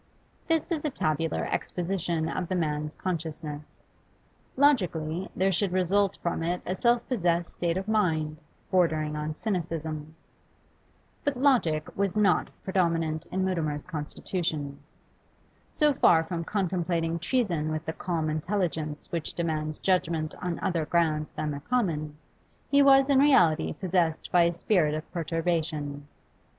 This is a tabular exposition of the man's consciousness. Logically, there should result from it a self possessed state of mind, bordering on cynicism. But logic was not predominant in Mutimer's constitution. So far from contemplating treason with the calm intelligence which demands judgment on other grounds than the common, he was in reality possessed by a spirit of perturbation.